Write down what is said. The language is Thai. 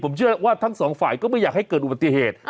ผมเชื่อว่าทั้งสองฝ่ายก็ไม่อยากให้เกิดอุบัติเหตุ